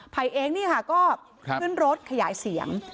ภัยเองก็ขยายเสียง